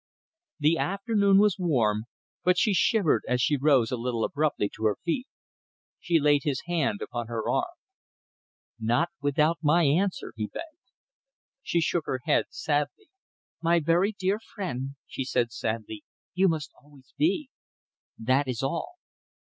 The afternoon was warm, but she shivered as she rose a little abruptly to her feet. He laid his hand upon her arm. "Not without my answer," he begged. She shook her head sadly. "My very dear friend," she said sadly, "you must always be. That is all!"